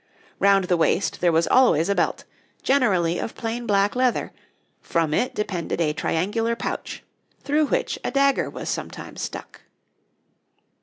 Round the waist there was always a belt, generally of plain black leather; from it depended a triangular pouch, through which a dagger was sometimes stuck.